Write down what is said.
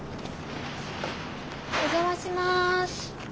お邪魔します。